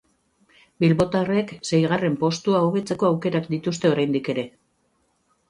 Bilbotarrek seigarren postua hobetzeko aukerak dituzte oraindik ere.